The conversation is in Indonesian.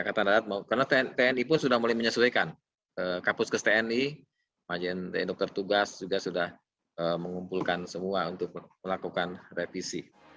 karena tni pun sudah mulai menyesuaikan kapus kes tni majin tni dokter tugas juga sudah mengumpulkan semua untuk melakukan revisi